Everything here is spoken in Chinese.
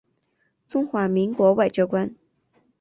中华民国外交官。